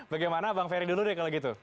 bagaimana bang ferry dulu deh kalau gitu